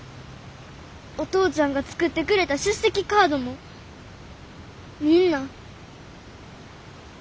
お父ちゃんが作ってくれた出席カードもみんな。